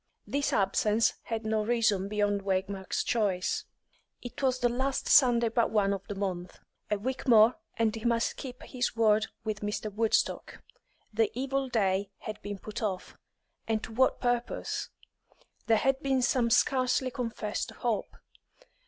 This absence had no reason beyond Waymark's choice. It was the last Sunday but one of the month; a week more, and he must keep his word with Mr. Woodstock. The evil day had been put off, and to what purpose? There had been some scarcely confessed hope.